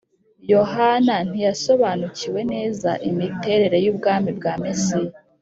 Yohana ntiyasobanukiwe neza imiterere y’ubwami bwa Mesiya.